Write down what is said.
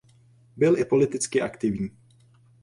Byl i politicky aktivní.